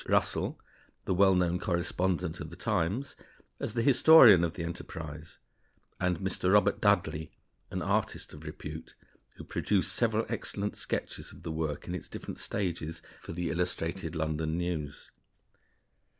Russell, the well known correspondent of The Times, as the historian of the enterprise, and Mr. Robert Dudley, an artist of repute, who produced several excellent sketches of the work in its different stages for the Illustrated London News.